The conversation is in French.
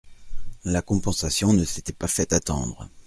La compensation ne s'était pas fait attendre.